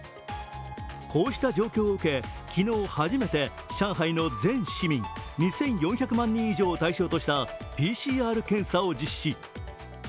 こうした状況を受け昨日、初めて上海の全市民２４００万人以上を対象としたＰＣＲ検査を実施。